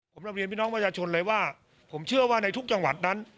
ผมนำเรียนพี่น้องประชาชนเลยว่าผมเชื่อว่าในทุกจังหวัดนั้น